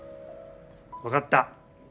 分かった。